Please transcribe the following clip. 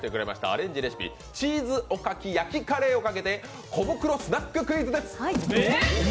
アレンジレシピ、チーズおかき焼きカレーをかけて小袋スナッククイズです。